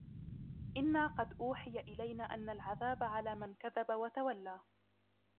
إنا قد أوحي إلينا أن العذاب على من كذب وتولى